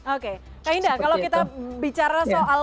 oke pak indah kalau kita bicara soal